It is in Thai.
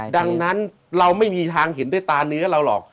ดังนั้นเราไม่มีทางเห็นด้วยตาเนื้อเราหรอก